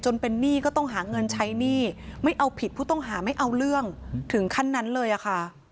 จนเป็นหนี้ก็ต้องหาเงินใช้หนี้ไม่เอาผิดผู้ต้องหาไม่เอาเรื่องถึงขั้นนั้นเลยอะค่ะ